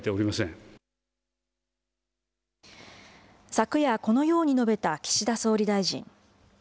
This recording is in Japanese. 昨夜、このように述べた岸田総理大臣。